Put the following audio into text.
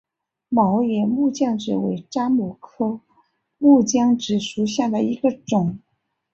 毛叶木姜子为樟科木姜子属下的一个种。